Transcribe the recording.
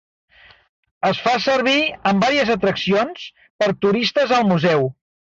Es fa servir en varies atraccions per turistes al museu.